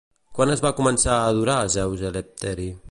Quan es va començar a adorar Zeus Elevteri?